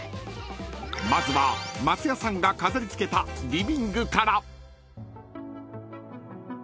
［まずは松也さんが飾りつけたリビングから］